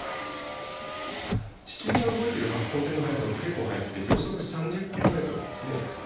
地球が動いてる公転の速さって結構速くて秒速３０ｋｍなんですね。